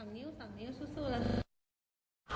๒นิ้วสู้แล้ว